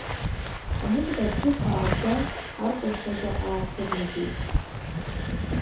Амузыка абжьы хааӡа аркәашага аацәырнагеит.